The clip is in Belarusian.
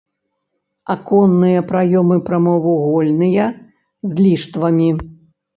Аконныя праёмы прамавугольныя, з ліштвамі.